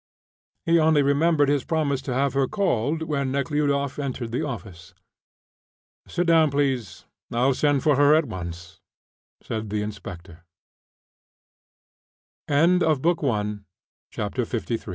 He only remembered his promise to have her called when Nekhludoff entered the office. "Sit down, please. I'll send for her at once," said the inspector. CHAPTER LIV. PRISONERS AND FRIENDS. T